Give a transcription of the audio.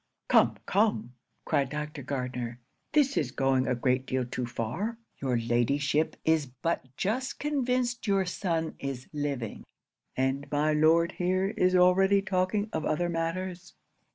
'"Come, come," cried Dr. Gardner, "this is going a great deal too far; your Ladyship is but just convinced your son is living, and my Lord here is already talking of other matters.